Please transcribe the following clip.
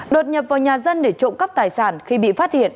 đột nhập vào nhà dân để trộm cắp tài sản khi bị phát hiện